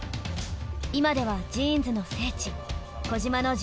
今ではジーンズの聖地